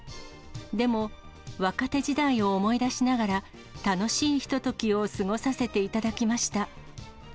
でも、若手時代を思い出しながら、楽しいひとときを過ごさせていただきました。